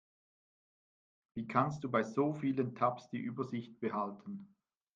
Wie kannst du bei so vielen Tabs die Übersicht behalten?